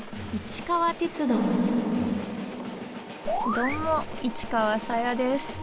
どうも市川紗椰です。